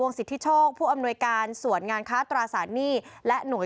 สิทธิโชคผู้อำนวยการส่วนงานค้าตราสารหนี้และหน่วย